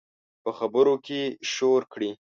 په خبرو کې یې شور کړي